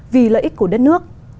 vì lợi ích của đất nước